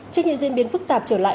trên những diễn biến phức tạp trở lại